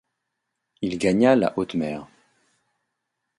Il gagna la haute mer.